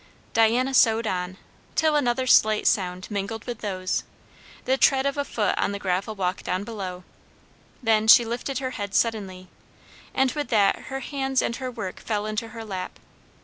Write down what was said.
Diana sewed on, till another slight sound mingled with those the tread of a foot on the gravel walk down below; then she lifted her head suddenly, and with that her hands and her work fell into her lap.